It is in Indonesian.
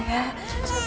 susah gitu sayang ya